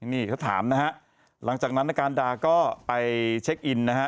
นี่เขาถามนะฮะหลังจากนั้นนาการดาก็ไปเช็คอินนะฮะ